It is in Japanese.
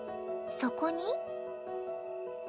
そこに。